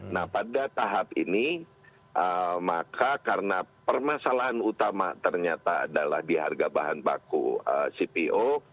nah pada tahap ini maka karena permasalahan utama ternyata adalah di harga bahan baku cpo